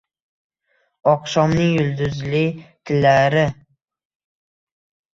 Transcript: … Oqshomning yulduzli tillari